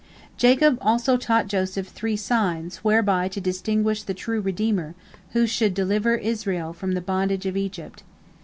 Jacob also taught Joseph three signs whereby to distinguish the true redeemer, who should deliver Israel from the bondage of Egypt.